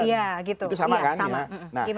itu sama kan